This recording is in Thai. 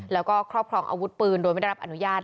แล้วก็ครอบครองอาวุธปืนโดยไม่ได้รับอนุญาต